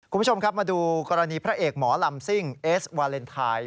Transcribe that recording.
คุณผู้ชมครับมาดูกรณีพระเอกหมอลำซิ่งเอสวาเลนไทย